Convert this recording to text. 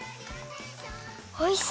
おいしそう！